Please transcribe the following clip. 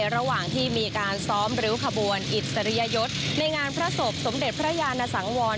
ระหว่างที่มีการซ้อมริ้วขบวนอิสริยยศในงานพระศพสมเด็จพระยานสังวร